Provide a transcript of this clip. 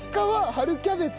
春キャベツ。